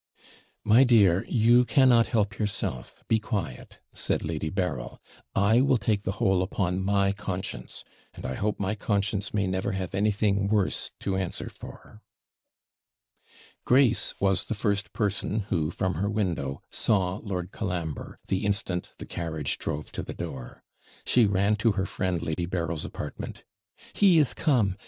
'My dear, you cannot help yourself; be quiet,' said Lady Berryl; 'I will take the whole upon my conscience; and I hope my conscience may never have anything worse to answer for.' Grace was the first person who, from her window, saw Lord Colambre, the instant the carriage drove to the door. She ran to her friend Lady Berryl's apartment 'He is come!